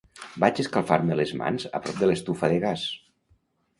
Vaig escalfar-me les mans a prop de l'estufa de gas.